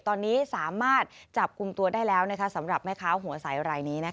ตอนนี้สามารถจับกลุ่มตัวได้แล้วสำหรับแม่ค้าหัวใสรายนี้